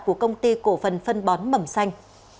của công ty cổ phần phân bón mầm xanh